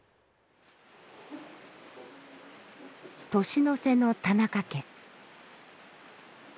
年の瀬の田中家。